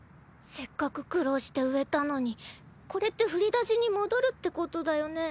せっかく苦労して植えたのにこれって振り出しに戻るってことだよね？